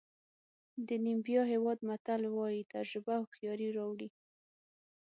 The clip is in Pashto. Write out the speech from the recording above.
د نیمبیا هېواد متل وایي تجربه هوښیاري راوړي.